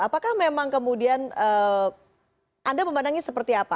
apakah memang kemudian anda memandangnya seperti apa